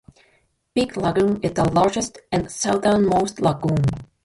Big Lagoon is the largest and southernmost lagoon.